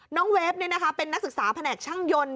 น้องเวฟเนี่ยนะคะเป็นนักศึกษาแผนกช่างยนต์